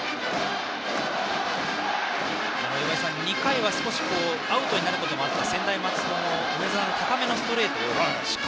２回はアウトになることもあった専大松戸の梅澤の高めのストレートでした。